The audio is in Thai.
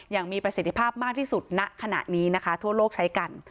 อย่างมีประสิทธิภาพมากที่สุดณขณะนี้นะคะทั่วโลกใช้กัน